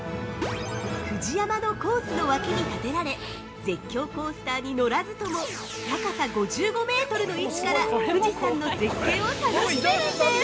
◆ＦＵＪＩＹＡＭＡのコースの脇に建てられ絶叫コースターに乗らずとも高さ５５メートルの位置から富士山の絶景を楽しめるんです！